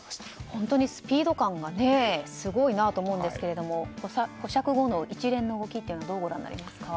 本当にスピード感がすごいなと思うですけれども保釈後の一連の動きはどうご覧になりますか？